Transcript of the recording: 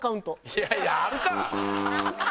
いやいやあるか！